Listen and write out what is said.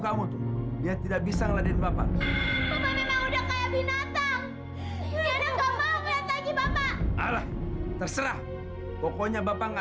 bapak memang udah kayak binatang ya nggak mau lihat lagi bapak alah terserah pokoknya bapak